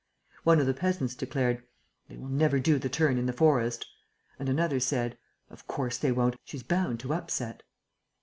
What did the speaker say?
One of the peasants declared: "They will never do the turn in the forest." And another said: "Of course they won't! She's bound to upset!"